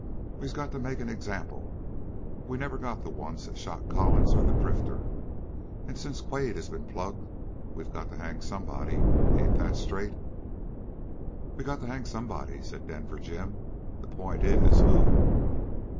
We got to make an example. We never got the ones that shot Collins or the drifter. Since Quade has been plugged we got to hang somebody. Ain't that straight?" "We got to hang somebody," said Denver Jim. "The point is who?"